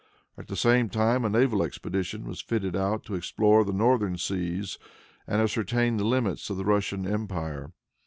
At the same time a naval expedition was fitted out to explore the northern seas, and ascertain the limits of the Russian empire.